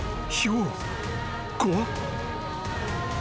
怖っ］